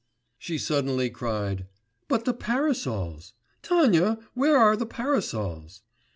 She suddenly cried, 'But the parasols? Tanya, where are our parasols?